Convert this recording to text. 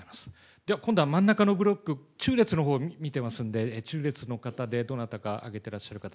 では、今度は真ん中のブロック、中列のほう見てますんで、中列の方でどなたか挙げてらっしゃる方。